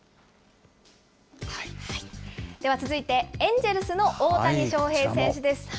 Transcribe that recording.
では続いてエンジェルスの大谷翔平選手です。